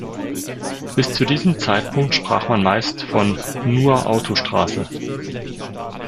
Bis zu diesem Zeitpunkt sprach man meist von „Nur-Autostraße“.